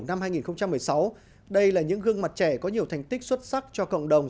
năm hai nghìn một mươi sáu đây là những gương mặt trẻ có nhiều thành tích xuất sắc cho cộng đồng